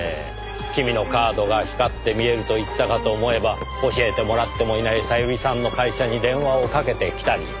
君のカードが光って見えると言ったかと思えば教えてもらってもいない小百合さんの会社に電話をかけてきたり。